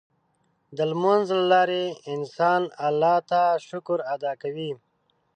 د لمونځ له لارې انسان الله ته شکر ادا کوي.